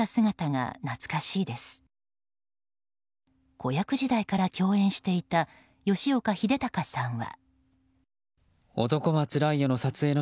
子役時代から共演していた吉岡秀隆さんは。